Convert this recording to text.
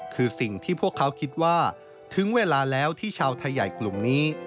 คือสิ่งที่พวกเขาคิดว่าถึงเวลาแล้วที่ชาวไทยใหญ่กลุ่มนี้